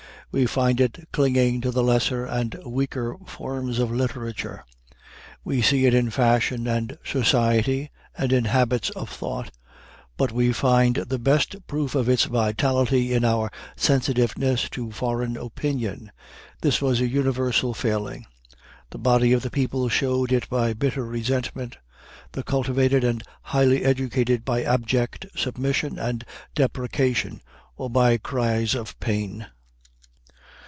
We find it clinging to the lesser and weaker forms of literature. We see it in fashion and society and in habits of thought, but we find the best proof of its vitality in our sensitiveness to foreign opinion. This was a universal failing. The body of the people showed it by bitter resentment; the cultivated and highly educated by abject submission and deprecation, or by cries of pain.